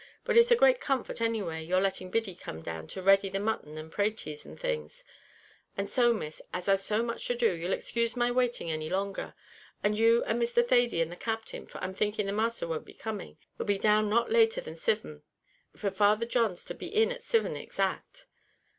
But it's a great comfort anyway your letting Biddy come down to ready the mutton and pratees, and things; and so, Miss, as I've so much to do, you'll excuse my waiting any longer; and you and Mr. Thady and the Captain, for I'm thinking the Masther won't be coming, 'll not be down later than sivin, for Father John's to be in it at sivin exact."